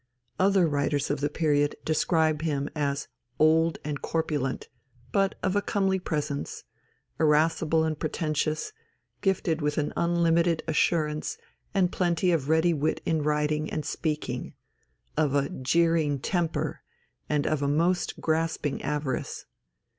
Other writers of the period describe him as "old and corpulent," but of a "comely presence"; irascible and pretentious, gifted with an unlimited assurance and plenty of ready wit in writing and speaking; of a "jeering temper," and of a most grasping avarice.